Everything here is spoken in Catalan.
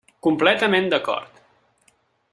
Completament d'acord.